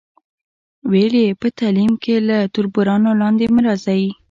ویل یې، په تعلیم کې له تربورانو لاندې مه راځئ.